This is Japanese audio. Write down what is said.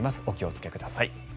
お気をつけください。